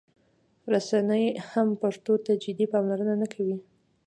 رسنۍ هم پښتو ته جدي پاملرنه نه کوي.